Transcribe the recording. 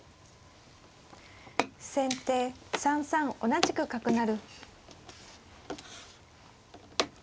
先手３三同じく角成。